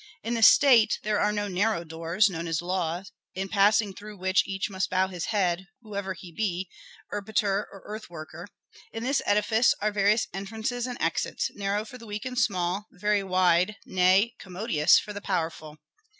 In the state there are no narrow doors, known as laws, in passing through which each must bow his head, whoever he be, erpatr or earth worker. In this edifice are various entrances and exits, narrow for the weak and small, very wide, nay, commodious for the powerful."